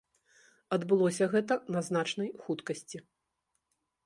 Адбылося гэта на значнай хуткасці.